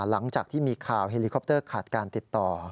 หลังจากที่มีข่าวเฮลิคอปเตอร์ขาดการติดต่อ